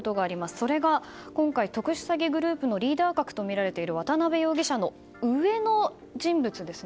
それが、今回特殊詐欺グループのリーダー格とみられている渡辺容疑者の上の人物ですね。